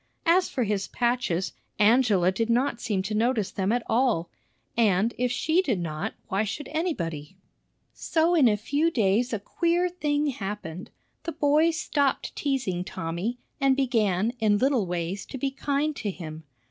As for his patches, Angela did not seem to notice them at all; and, if she did not, why should anybody? So in a few days a queer thing happened. The boys stopped teasing Tommy, and began in little ways to be kind to him.